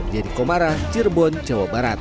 jadi komara cirebon jawa barat